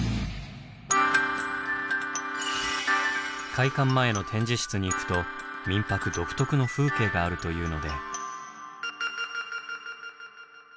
開館前の展示室に行くと「みんぱく」独特の風景があるというので。